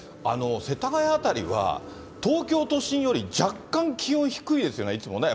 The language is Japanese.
世田谷辺りは、東京都心より若干、気温低いですよね、いつもね。